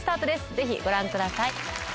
ぜひご覧ください